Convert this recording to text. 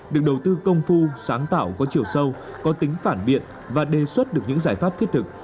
được đầu tư công phu sáng tạo có chiều sâu có tính phản biện và đề xuất được những giải pháp thiết thực